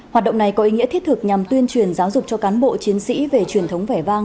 hoạt động này có ý nghĩa thiết thực nhằm tuyên truyền giáo dục cho cán bộ chiến sĩ về truyền thống vẻ vang